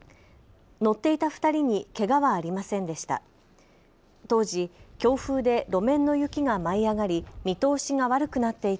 乗っていた２人にけがはありませんでした。